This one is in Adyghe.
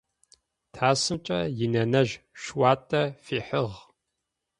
Тасымкӏэ инэнэжъ шъуатэ фихьыгъ.